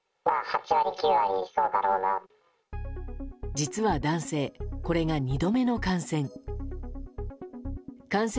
実は男性、これが２度目の感染。